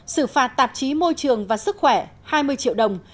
xử phạt tạp chí môi trường và sức khỏe hai mươi triệu đồng